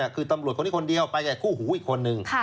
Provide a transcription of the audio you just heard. คือตำรวจคนนี้คนเดียวไปกับคู่หูอีกคนนึง